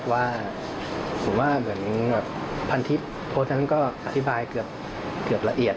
ว่าผมว่าเหมือนพันทิพย์โพสต์นั้นก็อธิบายเกือบละเอียด